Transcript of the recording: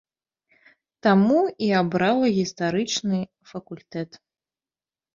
Таму і абрала гістарычны факультэт.